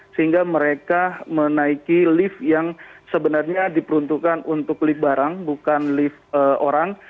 sehingga mereka menaiki lift yang sebenarnya diperuntukkan untuk lift barang bukan lift orang